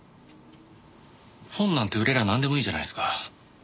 本なんて売れりゃなんでもいいじゃないですか。